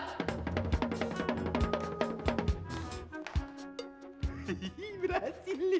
hihihi berhasil nih